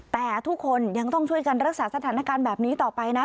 แต่ทุกคนยังต้องช่วยกันรักษาสถานการณ์แบบนี้ต่อไปนะ